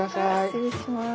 失礼します。